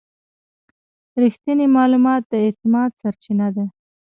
رښتینی معلومات د اعتماد سرچینه ده.